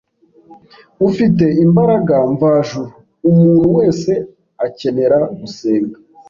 ufite imbaraga mvajuru, umuntu wese akenera gusenga